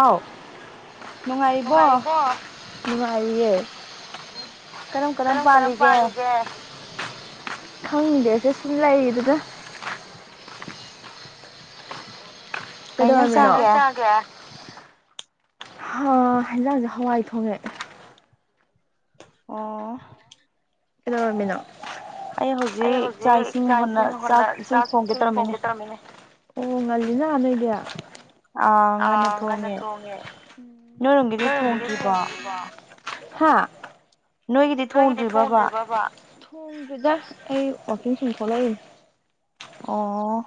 ꯑꯥꯎ ꯅꯨꯡꯉꯥꯏꯔꯤꯕꯣ ꯅꯨꯡꯉꯥꯏꯔꯤꯌꯦ ꯀꯔꯝ ꯀꯔꯝ ꯄꯥꯔꯤꯒꯦ ꯈꯪꯗꯦꯁꯦ ꯁꯨꯝ ꯂꯩꯗꯅ ꯀ ꯍꯥ ꯍꯟꯖꯥꯡꯁꯦ ꯍꯋꯥꯏ ꯊꯣꯡꯉꯦ ꯑꯣ ꯀꯩꯅꯃꯤꯅꯣ ꯑꯩ ꯍꯧꯖꯤꯛ ꯆꯥꯛ ꯏꯁꯤꯡ ꯍꯨ ꯆꯥꯛ ꯏꯁꯤꯡ ꯊꯣꯡꯒꯦ ꯇꯧꯔꯝꯃꯤꯅꯦ ꯑꯣ ꯉꯜꯂꯤ ꯅꯍꯥꯟ ꯅꯣꯏꯗꯤ ꯑ ꯑꯉꯅ ꯇꯣꯡꯉꯦ ꯇꯣꯡ ꯍꯥꯥ ꯅꯣꯏꯒꯤꯗꯤ ꯊꯣꯡꯗ꯭ꯔꯤ ꯕꯥ ꯊꯣꯡꯗ꯭ꯔꯤꯗ ꯑꯩ ꯋꯥꯇ ꯁꯨꯝ ꯈꯣꯂꯛꯏ ꯑ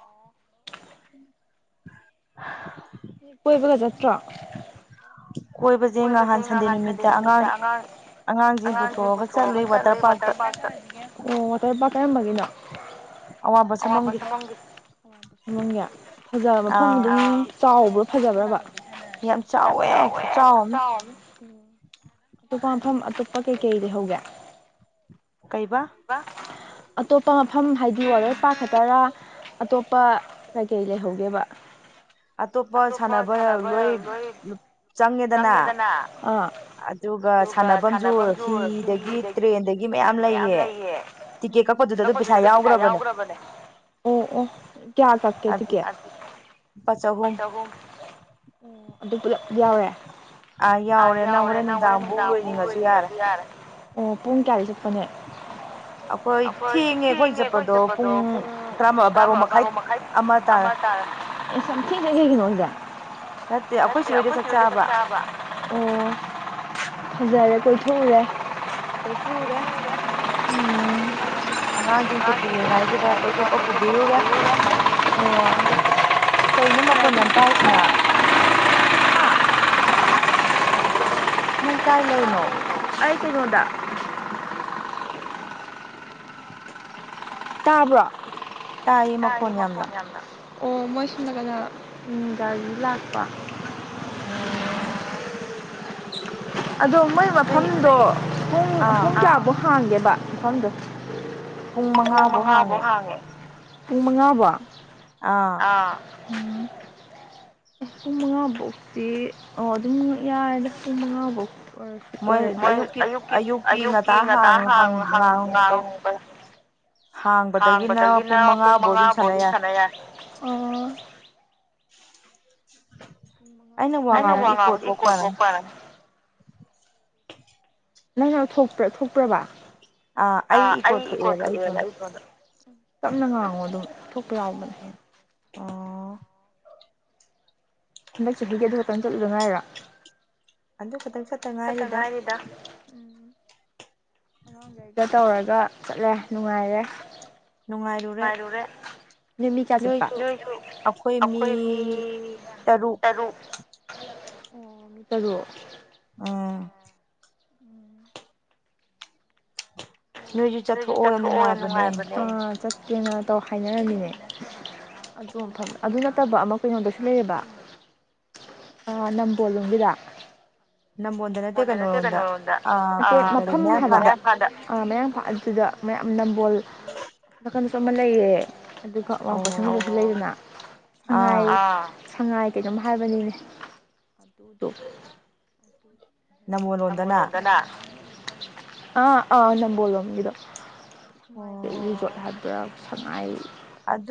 [inaudible] ꯑꯩꯈꯣꯏꯕꯁꯩ ꯉꯍꯥꯟꯊꯟꯗ ꯅꯨꯃꯤꯠꯇ ꯑꯉꯥꯡ ꯇ ꯑꯣ ꯋꯥꯇꯔ ꯄꯇꯒꯤꯅ ꯐꯖꯕ ꯃꯐꯝ ꯑꯗꯨ ꯆꯥꯎꯕ ꯐꯖꯕ꯭ꯔꯕ ꯌꯥꯝ ꯆꯥꯎꯋꯦ ꯈꯨꯆꯥꯎ ꯑꯃ ꯎ ꯑꯇꯣꯞꯄ ꯃꯐꯝ ꯑꯇꯣꯞꯄ ꯀꯩꯀꯩ ꯂꯩ ꯍꯧꯒꯦ ꯑꯇꯣꯞꯄ ꯃꯐꯝ ꯍꯥꯏꯗꯤ ꯋꯥꯇꯔ ꯄꯥꯔꯛ ꯈꯛꯇꯔꯥ ꯑꯇꯣꯞꯄ ꯀꯩ ꯀꯩ ꯂꯩꯍꯧꯒꯦꯕ ꯑꯇꯣꯞꯄ ꯁꯥꯟꯅꯕ ꯂꯣꯏ ꯆꯪꯉꯦꯗꯅ ꯑꯗꯨꯒ ꯁꯥꯟꯅꯐꯝꯁꯨ ꯍꯨꯤꯗꯒꯤ ꯇ꯭ꯔꯦꯟꯗꯒꯤ ꯃꯌꯥꯝ ꯂꯩꯌꯦꯦ ꯀꯛꯄꯗꯨꯗ ꯑꯗꯨ ꯄꯩꯁꯥ ꯌꯥꯎꯈ꯭ꯔꯕꯅꯦ ꯑꯣ ꯑꯣ ꯀꯌꯥ ꯀꯀꯦ ꯀꯌꯥ ꯎ ꯑꯗꯨ ꯄꯨꯂ ꯌꯥꯋ ꯑꯥ ꯌꯥꯎꯔꯦ ꯅꯪꯈꯔꯦ ꯅꯨꯡꯗꯥꯡꯕꯨ ꯂꯣꯏꯔꯤꯉꯣꯗꯤ ꯌꯥꯔꯦ ꯑꯣ ꯄꯨꯡ ꯀꯌꯥꯗ ꯆꯠꯄꯅꯦ [unintelligible] [inaudible] ꯑꯩꯈꯣꯏ ꯊꯦꯡꯉꯦ ꯑꯩꯈꯣꯏ ꯆꯠꯄꯗꯣ ꯄꯨꯡ ꯇꯔꯥ ꯕꯥꯔꯣ ꯃꯈꯥꯏ ꯑꯃ ꯇꯥꯔꯦ ꯁ ꯊ ꯀꯅꯣ ꯏꯗ ꯆ ꯑꯩꯈꯣꯏꯁꯨꯕꯨꯗꯤ ꯈ ꯆꯥꯕ ꯎꯝ ꯍꯖꯔꯦ ꯀꯣꯏꯊꯨꯡꯔꯦ ꯑꯩꯣꯏ ꯊꯔꯦ ꯑꯉꯥꯡꯁꯤꯡ ꯁꯨꯇꯤꯉꯩꯁꯤꯗ ꯀꯣꯏꯊꯣꯛꯄ ꯄꯨꯕꯤꯔꯨꯔꯦ ꯎ [unintelligible] [inaudible] ꯀꯩꯅꯣ ꯃꯈꯣꯏꯅ ꯑꯝꯇꯁꯤꯅ ꯅꯪ ꯀꯥꯏ ꯂꯩꯅꯣ ꯑꯩ ꯀꯩꯅꯣꯗ ꯇꯥꯕ꯭ꯔꯣ ꯇꯥꯔꯤ ꯃꯈꯣꯟ ꯌꯥꯝꯅ ꯑꯣ ꯃꯣꯏ ꯁꯣꯝꯅ ꯀꯩꯅꯣ ꯒꯥꯔꯤ ꯂꯥꯛꯄ ꯑꯣ ꯑꯗꯣ ꯃꯣꯏ ꯃꯐꯝꯗꯣ ꯄꯨꯡ ꯄꯨꯡ ꯇꯥꯐꯧ ꯍꯥꯡꯒꯦꯕ ꯃꯐꯝꯗꯣ ꯄꯨꯡ ꯃꯉꯥꯕꯧ ꯍꯥꯡꯉꯦ ꯄꯨꯡ ꯃꯉꯥꯕꯣ ꯑ ꯎꯝ ꯂꯁꯤꯡ ꯃꯉꯥ ꯐꯧꯁꯤꯤ ꯑꯣ ꯑꯗꯨꯝ ꯌꯥꯔꯦ ꯂꯁꯤꯡ ꯃꯉꯥ ꯐꯧ ꯎꯝ ꯎ ꯃꯣꯏ ꯑꯌꯨꯛꯀꯤ ꯑꯌꯨꯛꯀꯤ ꯉꯇꯥ ꯉꯥꯡꯕ ꯍꯥꯡꯕꯗꯒꯤꯅ ꯄꯨꯡ ꯃꯉꯥꯕꯨꯧ ꯑꯗꯨꯝ ꯁꯥꯟꯅ ꯌꯥꯏ [unintelligible] [inaudible] ꯑ ꯋꯥ ꯉꯥꯡ ꯏꯀꯣꯠꯇꯄꯔ ꯅꯪꯅ ꯊꯣꯛꯄ ꯊꯣꯛꯄ꯭ꯔꯕ ꯑ ꯑꯩ ꯀꯣꯠꯇ ꯏꯂ ꯀꯣꯗ ꯆꯝꯅꯒꯉ ꯑꯗꯨ ꯇꯥꯕꯅꯤ ꯍꯟꯗꯛ ꯆꯀꯤꯒꯤ ꯑꯗꯨ ꯈꯛꯇꯪ ꯆꯠꯂꯨꯗ ꯉꯥꯏꯔ ꯑꯗꯨꯟ ꯀ ꯈꯇ ꯈꯛꯇ ꯉꯥꯏꯔꯤꯗ ꯑꯉꯥꯡꯈꯩꯒ ꯇꯧꯔꯒ ꯆꯠꯂꯦ ꯅꯨꯡꯉꯥꯏꯔꯦ ꯅꯨꯡꯉꯥꯏꯔꯨꯔꯨꯔ ꯅꯣꯏꯁꯨ ꯑꯩꯈꯣꯏ ꯃꯤ ꯇꯔꯨꯛ [unintelligible] [inaudible] ꯑꯣ ꯀꯗꯣ ꯑꯥ ꯎꯝ [unintelligible] [inaudible] ꯑꯗꯨꯗꯤ ꯆꯠꯊꯣꯛꯑꯣ ꯌꯥꯝ ꯅꯨꯡꯉꯥꯏꯕꯅꯦ ꯑ ꯆꯠꯀꯦꯅ ꯇꯧ ꯍꯥꯏꯅꯔꯃꯤꯅꯦ ꯑꯗꯨꯐꯝꯃꯦ ꯑꯗꯨ ꯅꯠꯇꯕ ꯑꯃ ꯀꯉꯣꯟꯗꯁꯨ ꯂꯩꯌꯦꯕ ꯑ ꯅꯝꯕꯣꯜꯂꯣꯝꯕꯤꯗ ꯅꯠꯇꯗꯅꯣ ꯃꯐꯝ ꯃ ꯃꯌꯥ ꯁꯤꯗ ꯃꯌꯥꯝ ꯅꯝꯕꯣꯜꯀꯅꯁꯨ ꯑꯃ ꯂꯩꯌꯦ ꯑꯗꯨꯒ ꯑꯋꯥꯡꯄꯁꯪꯗꯁꯨ ꯂꯩꯗꯅ ꯁꯉꯥꯏ ꯁꯉꯥꯏ ꯀꯩꯒꯣꯝ ꯍꯥꯏꯕꯅꯤꯅꯦ ꯑꯗꯨꯗꯣ ꯑ ꯑ ꯅꯝꯕꯣꯜ ꯋꯥꯝꯗ ꯅꯨꯡꯉꯥꯏꯏ ꯔꯤꯖꯣꯠ ꯍꯥꯏꯕ꯭ꯔꯥ ꯁꯉꯥꯏ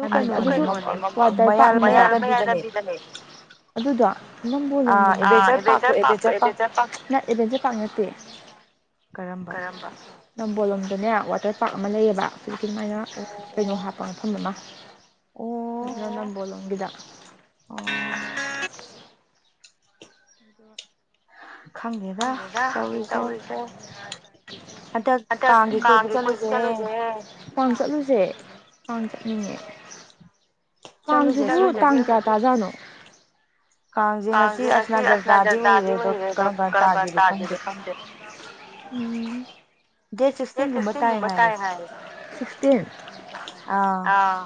[unintelligible] [inaudible] ꯑꯗꯨꯗꯣ ꯅꯝꯣꯜꯂꯝꯗꯅ ꯦ [inaudible] ꯄꯥꯛ ꯅꯠꯇꯦ ꯀꯔꯝꯕ ꯅꯝꯕꯣꯜꯂꯣꯝꯗꯅꯦ ꯋꯥꯇꯔ ꯄꯥꯔꯛ ꯑꯃ ꯂꯩꯌꯦꯕ ꯑꯗꯨ ꯑꯗꯨꯃꯥꯏꯅ ꯀꯩꯅꯣ ꯍꯥꯞꯄ ꯃꯐꯝ ꯑꯃ ꯅꯝꯕꯣ ꯂꯣꯝꯒꯤꯗ ꯑꯣ ꯈꯪꯗꯗ ꯇꯎꯔꯤꯁꯦ ꯑ ꯉꯥꯡꯒꯦ ꯀꯣꯏꯁꯨ ꯆꯠꯂꯨꯁꯦ ꯀ ꯆꯠꯂꯨꯁꯦ ꯀꯥꯡ ꯆꯉ ꯀꯥꯡꯥꯡꯁꯤꯕꯨ ꯇꯥꯡ ꯀꯌꯥ ꯇꯥꯖꯥꯠꯅꯣ ꯀꯥꯡꯁꯦ ꯉꯁꯤ ꯑꯁꯅꯥ ꯖꯔꯇꯥꯥꯗꯤ ꯑꯣꯏꯔꯦ ꯑꯗꯣ ꯀꯔꯝ ꯀꯔꯝ ꯇꯥꯒꯦꯦ ꯈꯪꯗꯦ [unintelligible] ꯎꯝ ꯗꯦ ꯀꯁꯤꯡꯒꯨꯝꯕ ꯇꯥꯏ ꯍꯥꯏꯦ ꯇꯤꯟ ꯑꯥ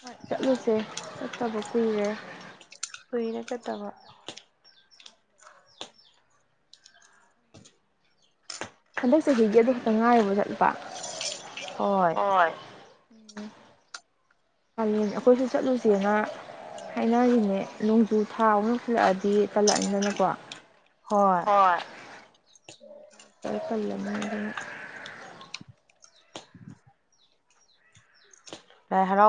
ꯃ ꯆꯠꯂꯁꯦ ꯆꯇꯕꯁꯤꯡꯦ ꯀꯨꯏꯔ ꯆꯠꯇꯕ ꯍꯟꯗꯛ ꯆꯍꯤꯁꯤꯒꯤ ꯑꯗꯨ ꯈꯛꯇꯪ ꯉꯥꯏꯔꯨꯕ ꯆꯠꯄ ꯍꯣꯏ ꯎꯝ ꯅꯦ ꯑꯩꯈꯣꯏꯁꯨ ꯆꯠꯂꯨꯁꯦꯅ ꯍꯥꯏꯅꯔꯤꯅꯦ ꯅꯣꯡꯖꯨ ꯊꯥ ꯑꯃꯨꯛ ꯄꯨꯂꯛꯑꯗꯤ ꯀꯜꯂꯛꯑꯅꯤꯗꯅꯀꯣ ꯍꯣꯏ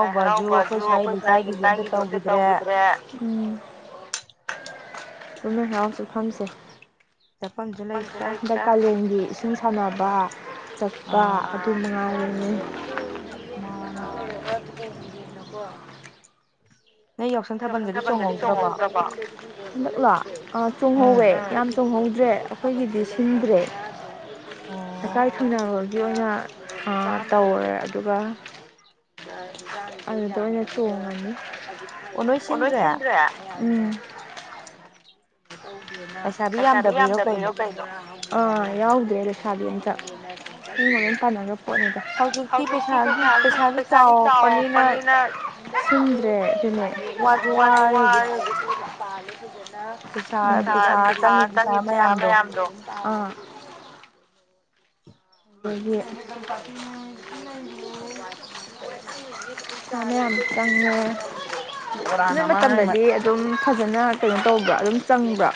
ꯥꯏ ꯍꯔꯥꯎꯕꯁꯨ ꯑꯩꯈꯣꯏ ꯁꯏ ꯂꯩꯇꯥꯒꯤꯗꯨ ꯑꯝꯇ ꯇꯧꯈꯤꯗ꯭ꯔꯦ ꯄꯨꯃꯦ ꯍꯔꯥꯎꯁꯨ ꯐꯝꯁꯦ ꯀꯥꯂꯦꯟꯒꯤ ꯏꯁꯤꯡ ꯁꯥꯟꯅꯕ ꯆꯠꯄ ꯑꯗꯨ ꯃꯉꯥꯏꯔ ꯃꯥ ꯅ ꯌꯥꯎꯁꯪ ꯊꯥꯕꯜꯗꯗꯤ ꯆꯣꯡꯍꯧꯗ꯭ꯔꯕ ꯍꯟꯗꯛꯂꯥ ꯆꯣꯡꯍꯧꯋꯦ ꯌꯥꯝ ꯆꯣꯡꯍꯧꯗ꯭ꯔꯦ ꯑꯩꯈꯣꯏꯒꯤꯗꯤ ꯁꯤꯟꯗ꯭ꯔꯦ ꯑ ꯀꯥꯏ ꯊꯨꯅ ꯍꯣ ꯒꯤ ꯑꯣꯏꯅ ꯇꯧꯔꯦ ꯑꯗꯨꯒ ꯑꯗꯨꯗ ꯑꯣꯏꯅ ꯇꯣꯡꯉꯅꯤ ꯎ ꯑꯣꯅꯣꯏꯁꯤꯗ꯭ꯔ ꯎꯝ ꯩꯁꯥꯔ ꯌꯥꯝꯗꯕꯒꯩꯗ ꯑꯥ ꯌꯥꯎꯗ꯭ꯔꯦ ꯑꯗꯨꯣꯁꯕꯤ ꯑꯇ ꯇ ꯅ ꯍꯧꯖꯤꯛꯇꯤ ꯄꯩꯁꯥ ꯄꯩꯁꯥꯗꯤ ꯆꯥꯎꯔꯛꯄꯅꯤꯅ [unintelligible] ꯄꯩꯁꯥ ꯄꯩꯁꯥ ꯆꯪꯉꯤ ꯄꯩꯁꯥ ꯃꯌꯥꯝꯗꯣ ꯇ ꯆꯅꯨ ꯃꯇꯝꯗꯗꯤ ꯑꯗꯨꯝ ꯐꯖꯅ ꯀꯩꯅꯣ ꯇꯧꯕ꯭ꯔ ꯑꯗꯨꯝ ꯆꯪꯕ꯭ꯔꯥ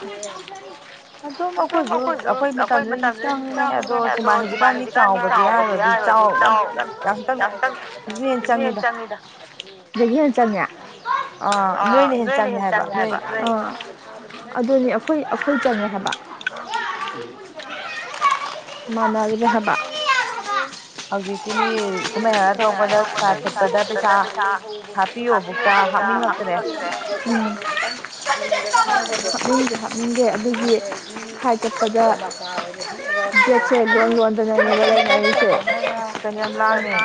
ꯑꯗꯨꯝ ꯑꯩꯈꯣꯏꯁꯨ ꯑꯩꯈꯣꯏ ꯃꯇꯝꯁꯨ ꯑꯗꯨ ꯆꯪꯉꯦ ꯑꯗꯣ ꯃꯥ ꯍꯧꯖꯤꯛꯀꯥꯟꯗꯤ ꯆꯥꯎꯕꯗꯤ ꯌꯥꯔꯨꯔꯗꯤ ꯆꯥꯎꯕ ꯌꯥꯝ ꯌꯥꯝꯇꯪ ꯍꯦꯟꯅ ꯆꯪꯉꯤꯗ ꯍꯦꯟꯅ ꯆꯪꯉꯦ ꯑ ꯅꯣꯏꯅꯦ ꯆꯪꯉꯦ ꯍꯥꯏꯕ ꯑꯗꯨꯅꯤ ꯑꯩꯈꯣꯏ ꯑꯩꯈꯣꯏ ꯆꯪꯉꯦ ꯍꯥꯏꯕ ꯃꯥ ꯃꯥꯒꯤꯔꯤꯕ ꯍꯕ ꯖꯤꯀꯤ ꯃꯤ ꯀꯨꯃꯔ ꯅꯣꯡꯃꯗ ꯄꯁꯥ ꯆꯠꯄꯗ ꯄꯩꯁꯥ ꯍꯥꯞꯄꯤꯌꯣꯗ ꯍꯥ ꯉꯈ꯭ꯔꯦ [unintelligible] ꯍꯥꯞꯅꯤꯡꯗꯦ ꯍꯥꯞꯅꯤꯡꯗꯦ ꯑꯗꯨꯒꯤ ꯍꯥꯏ ꯀꯠꯄꯗ ꯁ ꯀꯅ ꯌꯥꯝ ꯂꯥꯡꯉꯦ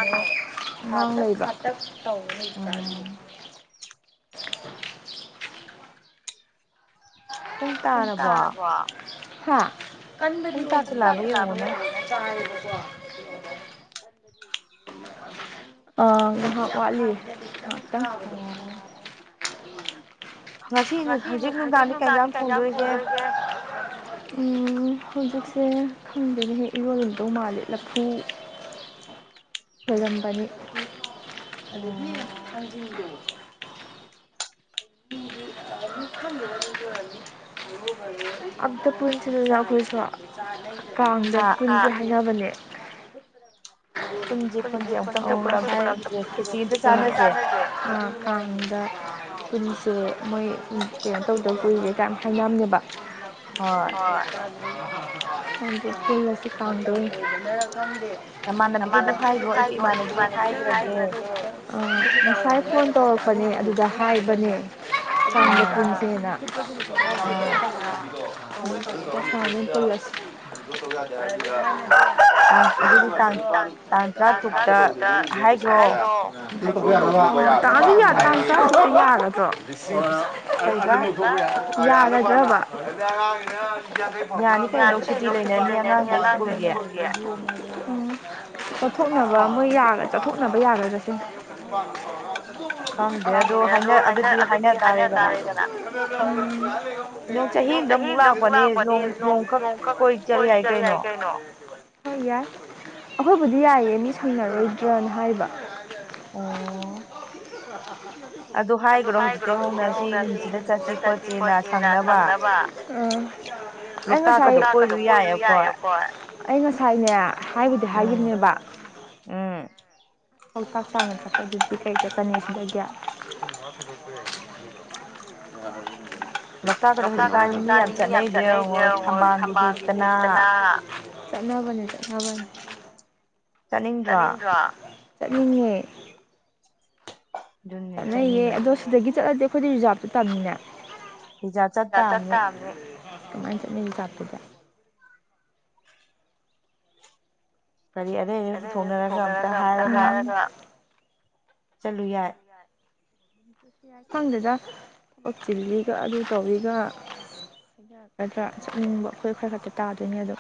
[unintelligible] [unintelligible] ꯄꯨꯡ ꯇꯥꯔꯕꯣ ꯍ ꯀꯟꯗꯗꯤ ꯉꯥꯏꯍꯥꯛ ꯋꯥꯠꯂꯤ ꯑꯣ ꯉꯁꯤꯅꯤ ꯍꯧꯖꯤꯛ ꯅꯨꯡꯗꯥꯡꯗꯤ ꯀꯩ ꯌꯥꯝ ꯄꯨꯗꯣꯏꯒꯦ ꯎꯝ ꯍꯧꯖꯤꯛꯁꯦ ꯈꯪꯗꯦꯅꯦꯍꯦ ꯏꯔꯣꯜꯂꯝꯗꯧ ꯃꯥꯂꯦ ꯂꯐꯨ ꯑꯣꯏꯔꯝꯕꯅꯤ ꯑꯝꯗ ꯄꯨꯟꯁꯤꯗꯅ ꯀꯣꯏꯁꯨꯣ ꯀꯥꯡꯗ ꯄꯨꯟꯖꯦ ꯍꯥꯏꯅꯕꯅꯦ꯫ ꯀꯗ [unintelligible] ꯄꯨꯟꯁꯦ ꯃꯣꯏ ꯀꯩꯅꯣ ꯇꯧꯗꯕ ꯀꯨꯏꯔꯦ ꯀꯥꯏ ꯍꯥꯏꯅꯝꯅꯦꯕ꯫ ꯈꯡꯗꯦ ꯄꯨꯜꯂꯥꯁꯤ ꯀꯥꯡꯗ ꯑꯣꯏ꯫ ꯅꯃꯥꯟꯅꯅꯕꯁꯨ ꯍꯥꯏꯈꯣ ꯑꯩ ꯏꯃꯥꯟꯅꯕꯤ ꯍꯥꯏꯒꯔꯒꯦ꯫ ꯐꯣꯟ ꯇꯧꯔꯛꯄꯅꯦ ꯑꯗꯨꯗ ꯍꯥꯏꯕꯅꯦ꯫ ꯀꯥꯡꯗ ꯄꯨꯁꯦꯅ ꯀꯥꯡꯗ ꯄꯨꯜꯂꯁꯤ꯫ ꯇꯥꯡ ꯇꯔ꯭ꯇꯨꯛꯇ ꯍꯥꯏꯗꯣ꯫ ꯇꯥꯡꯗꯤ ꯌꯥ ꯇꯥꯡ ꯇꯔ꯭ꯇꯨꯛꯇ ꯌꯥꯒꯗꯔꯣ꯫ ꯌꯥꯒꯗꯔ꯭ꯕ꯫ ꯌꯥꯅꯤ ꯀꯩꯅꯣ ꯁꯨꯇꯤ ꯂꯩꯅꯅꯤ ꯑꯉꯥꯡꯒꯩ ꯁꯀ꯭ꯨꯜ ꯒꯤ ꯎꯝ ꯆꯠꯊꯣꯛꯅꯕ ꯃꯣꯏ ꯌꯥꯒ ꯆꯠꯊꯣꯛꯅꯕ ꯌꯥꯒꯗ ꯁꯤꯟ꯫ ꯅꯦ ꯑꯗꯨ ꯍꯥꯏꯅ ꯑꯗꯨ꯫ ꯍꯥꯏꯅ ꯇꯥꯔꯦꯗꯅ ꯎꯝ ꯆꯍꯤꯗ ꯑꯃꯨꯛ ꯂꯥꯛꯄꯅꯦ꯫ ꯀꯣꯏ ꯆꯠ ꯌꯥꯏ ꯀꯅꯣ ꯍꯣꯏ ꯌꯥꯏ꯫ ꯑꯩꯈꯣꯏꯕꯨꯗꯤ ꯌꯥꯏꯌꯦ ꯃꯤ ꯁꯪꯅꯔꯣꯏꯗ꯭ꯔꯅ ꯍꯥꯏꯕ꯫ ꯑꯣ꯫ [unintelligible] ꯑꯗꯨ ꯍꯥꯏꯒ꯭ꯔꯣ ꯍꯧꯖꯤꯠ꯫ ꯍꯧꯖꯤꯛꯇꯤ ꯍꯧꯅ ꯆꯠꯁꯤ ꯈꯣꯁꯤꯅ ꯊꯪꯅꯕ ꯑꯩ ꯉꯁꯥꯏ꯫ ꯂꯣꯛꯇꯥꯛ ꯀꯗꯣ ꯀꯣꯏꯔꯨ ꯌꯥꯏ ꯑꯈꯣꯏ ꯑꯩ ꯉꯁꯥꯏꯅꯦ ꯍꯥꯏꯕꯨꯗꯤ ꯍꯥꯏꯈꯤꯕꯅꯦꯕ꯫ ꯎꯝ꯫ ꯑꯧ ꯆꯥꯛ ꯆꯉ꯫ ꯑꯗꯨꯗꯤ ꯀꯩ ꯆꯠꯀꯅꯤ ꯁꯤꯗꯒꯤ꯫ [unintelligible] ꯂꯣꯛꯇꯥꯛ ꯀꯥꯗꯣ ꯍꯧꯖꯤꯛꯀꯟꯗꯤ ꯃꯤ ꯌꯥꯝ ꯆꯠꯅꯩꯁꯦꯉꯣꯏ ꯊꯝꯕꯥꯜꯒꯤ ꯍꯦꯛꯇꯅ꯫ ꯆꯠꯅꯕꯅꯦ ꯆꯠꯅꯕꯅꯤ ꯆꯠꯅꯤꯡꯗ꯭ꯔꯣ꯫ ꯆꯠꯅꯤꯡꯉꯦ꯫ ꯆꯠꯅꯩꯌꯦ ꯑꯗꯣ ꯁꯤꯗꯒꯤ ꯆꯠꯂꯗꯤ ꯑꯩꯈꯣꯏꯗꯤ ꯔꯤꯖꯥꯕꯇ ꯇꯝꯃꯤꯅꯦ꯫ ꯌꯥꯇ ꯇꯥꯝꯅꯤ꯫ ꯀꯃꯥꯏ ꯆꯠꯅꯔꯤ ꯖꯥꯇꯨꯗꯤ꯫ ꯀꯔꯤ ꯑꯔꯩ ꯑꯔꯩ ꯄꯨꯊꯣꯛꯅꯔꯒ ꯑꯝꯇ ꯍꯥꯏꯔꯒ꯫ ꯆꯠꯂꯨ ꯌꯥꯏ꯫ ꯌꯥꯏ ꯈꯪꯗꯦꯗ ꯕꯛꯆꯤꯜꯂꯤꯒ ꯑꯗꯨ ꯇꯧꯔꯤꯒ꯫ ꯌꯥꯔꯛꯒꯗ꯭ꯔꯥ ꯆꯠꯅꯤꯡꯕ ꯑꯩꯈꯣꯏ ꯈꯔ ꯈꯛꯇ ꯇꯥꯗꯣꯏꯅꯦ ꯑꯗꯣ꯫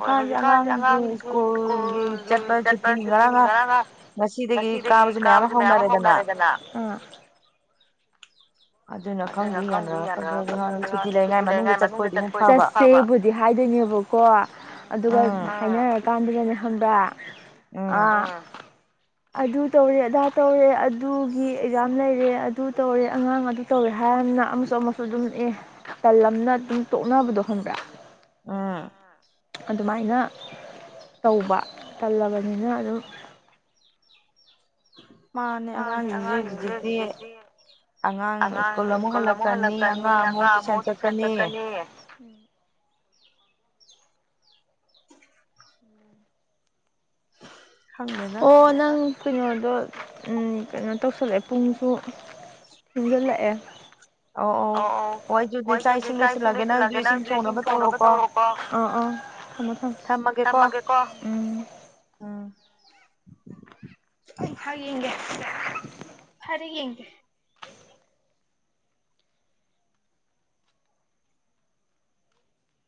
ꯍꯣꯏ ꯍꯧꯖꯤꯛꯀꯥꯟꯗꯤ ꯑꯉꯥꯡꯒꯤ ꯁ꯭ꯀꯨꯜꯒꯤ ꯆꯠꯄ ꯁꯨꯇꯤꯅꯤ ꯉꯔꯥꯡꯒ꯫ ꯉꯁꯤꯗꯒꯤ ꯀꯥꯕꯁꯨꯦ ꯃꯌꯥꯝ ꯍꯧꯅꯔꯦꯗꯅ꯫ ꯑꯗꯨꯅ ꯈꯪꯗꯦ ꯌꯥꯥꯅꯔꯛꯀꯗꯔ꯭ ꯀꯨꯇꯤ ꯂꯩꯉꯥꯏ ꯃꯅꯨꯡꯗ ꯆꯄ ꯆꯦꯕꯨ ꯍꯥꯏꯗꯣꯏ꯫ ꯕꯀꯣ ꯑꯗꯨꯒ ꯍꯥꯏꯅꯔꯀꯥꯟꯗꯅꯅꯦ꯫ ꯍꯟꯕꯔ꯭ ꯑꯥ꯫ ꯑꯗꯨ ꯇꯧꯔꯦ ꯑꯗꯥ ꯇꯧꯔꯦ ꯑꯗꯨꯒꯤ ꯑꯦꯛꯖꯥꯝ ꯂꯩꯔꯦ ꯑꯗꯨ ꯇꯧꯔꯦ ꯑꯉꯥꯡ ꯑꯗꯨ꯫ ꯇꯧꯋꯦ ꯍꯥꯏꯔ ꯑꯃꯅ ꯑꯃꯁꯨ ꯑꯃꯁꯨ ꯑꯗꯨꯝ ꯑꯦ ꯇꯜ ꯑꯃꯅ ꯑꯗꯨꯝ ꯇꯣꯛꯅꯕꯗꯣ ꯍꯟꯕ꯭ꯔꯥ꯫ ꯑꯗꯨꯃꯥꯏꯅ ꯇꯧꯕ ꯇꯜꯂꯕꯅꯤꯅ ꯑꯗꯨꯝ꯫ ꯃꯥꯅꯦ ꯑꯉꯥꯡꯁꯤꯡꯁꯦ ꯍꯧꯖꯤꯛꯇꯤ꯫ ꯑꯉꯥꯡ ꯁ꯭ꯀꯨꯜ ꯑꯃꯨꯛ ꯍꯜꯂꯛꯀꯅꯤ ꯑꯉꯥꯡ ꯑꯃꯨꯛ ꯇꯨꯏꯁꯟ ꯆꯠꯀꯅꯤ꯫ ꯎꯝ꯫ ꯑꯣ ꯅꯪ ꯀꯩꯅꯣ ꯑꯗꯣ ꯀꯩꯅꯣ ꯇꯧꯁꯜꯂꯛꯑꯦ ꯄꯨꯡꯁꯨ ꯊꯦꯡꯖꯜꯂꯛꯑꯦ ꯑꯣ ꯑꯣ ꯍꯣꯏ ꯑꯗꯨꯗꯤ ꯆꯥꯛ ꯏꯁꯤꯡꯒ ꯊꯤꯜꯂꯛꯑꯒꯦ ꯅꯪꯖꯨ ꯆꯥꯛ ꯏꯁꯤꯡ ꯊꯣꯡꯅꯕ ꯇꯧꯔꯣꯀꯣ ꯊꯝꯃꯣ ꯊꯝꯃꯣ ꯊꯝꯃꯥꯒꯦꯀꯣ ꯎꯝ ꯎꯝ ꯑꯩ ꯍꯌꯦꯡꯒꯤ ꯑꯩ ꯌꯦꯡꯒꯦ